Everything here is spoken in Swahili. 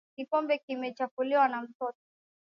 Kikombe kimechafuliwa na mtoto.